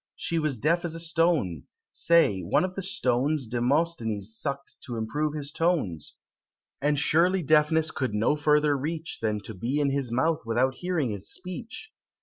She was deaf as a stone say, one of the stones Demosthenes suck'd to improve his tones; And surely deafness no further could reach Than to be in his mouth without hearing his speech!